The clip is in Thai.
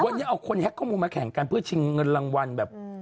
วันนี้เอาคนแฮ็กข้อมูลมาแข่งกันเพื่อชิงเงินรางวัลแบบ